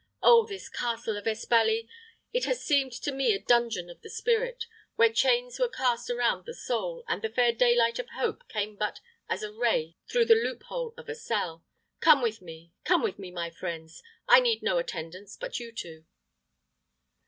Oh, this castle of Espaly! It has seemed to me a dungeon of the spirit, where chains were cast around the soul, and the fair daylight of hope came but as a ray through the loophole of a cell. Come with me come with me, my friends! I need no attendants but you two."